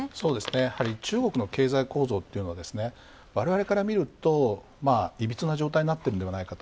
中国の経済構造はわれわれから見るといびつな状態になっているのではないかと。